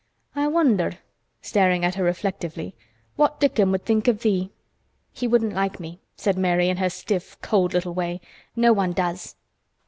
I wonder," staring at her reflectively, "what Dickon would think of thee?" "He wouldn't like me," said Mary in her stiff, cold little way. "No one does."